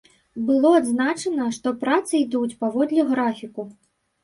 Было адзначана, што працы ідуць паводле графіку.